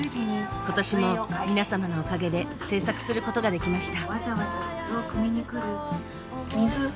今年も皆様のおかげで制作することができました。